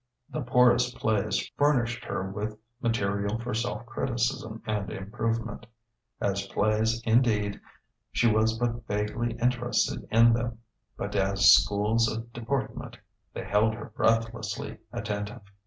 The poorest plays furnished her with material for self criticism and improvement. As plays, indeed, she was but vaguely interested in them, but as schools of deportment, they held her breathlessly attentive.